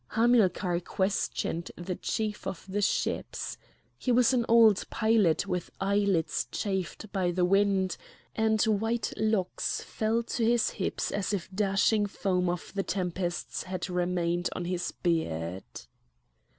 Hamilcar questioned the Chief of the Ships. He was an old pilot with eyelids chafed by the wind, and white locks fell to his hips as if dashing foam of the tempests had remained on his beard.